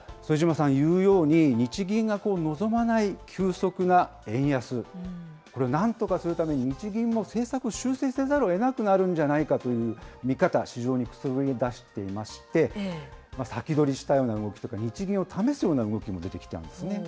ただ、副島さん言うように、日銀が望まない急速な円安、これをなんとかするために日銀の政策、修正せざるをえなくなるんじゃないかという見方、市場にくすぶり出していまして、先取りしたような、日銀を試すような動きも出ているんですね。